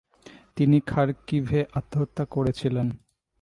তিনি খারকিভে আত্মহত্যা করেছিলেন।